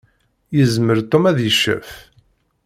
Yezmer Tom ad iccef.